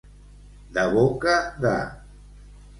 De boca de.